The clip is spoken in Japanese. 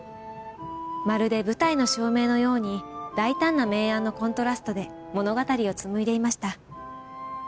まるで舞台の照明のように大胆な明暗のコントラストで物語を紡いでいました。